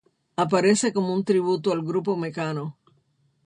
Aparece como un tributo al grupo Mecano.